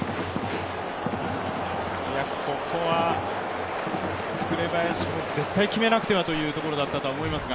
ここは紅林も絶対決めなくてはというところだったと思いますが。